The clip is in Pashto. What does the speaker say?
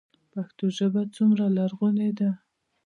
پښتو ژبه څومره لرغونې ده؟